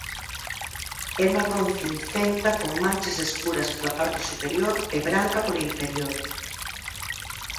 É marrón cincenta con manchas escuras pola parte superior e branca pola inferior.